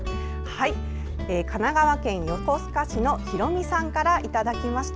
神奈川県横須賀市のひろみさんから、いただきました。